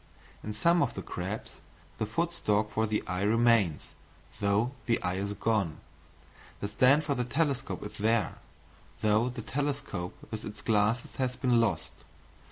In some of the crabs the foot stalk for the eye remains, though the eye is gone; the stand for the telescope is there, though the telescope with its glasses has been lost.